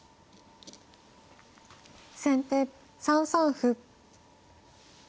先手３三歩。